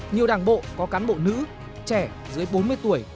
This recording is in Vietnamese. nhiều đảng bộ có cán bộ nữ trẻ dưới bốn mươi tuổi